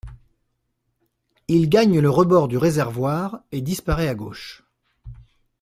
Il gagne le rebord du réservoir et disparaît à gauche.